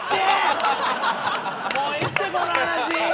もうええってこの話！